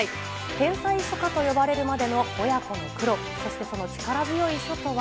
天才書家と呼ばれるまでの親子の苦労、そしてその力強い書とは。